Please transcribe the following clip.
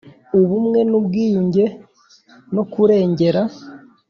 ubumwe n ubwiyunge no kurengera